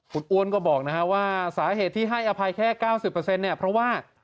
คุณอ้วนก็บอกว่าสาเหตุที่ให้อภัยแค่๙๐เนี่ยเพราะว่า